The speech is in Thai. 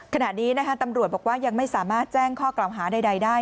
ขณะนี้นะคะตำรวจบอกว่ายังไม่สามารถแจ้งข้อกล่าวหาใดได้